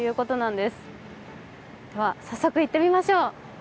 では早速、行ってみましょう。